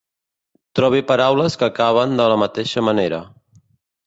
Trobi paraules que acaben de la mateixa manera.